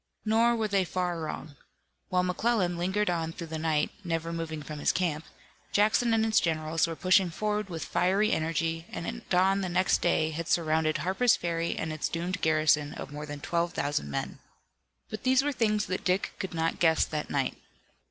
Nor were they far wrong. While McClellan lingered on through the night, never moving from his camp, Jackson and his generals were pushing forward with fiery energy and at dawn the next day had surrounded Harper's Ferry and its doomed garrison of more than twelve thousand men. But these were things that Dick could not guess that night.